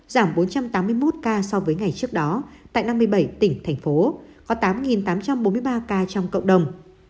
giảm bốn trăm tám mươi một ca so với ngày trước đó tại năm mươi bảy tỉnh thành phố có tám tám trăm bốn mươi ba ca trong cộng đồng